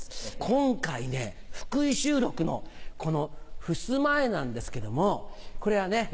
今回ね福井収録のこのふすま絵なんですけどもこれはね